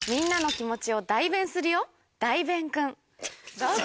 どうぞ。